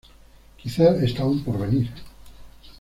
Quizás está aún por venir".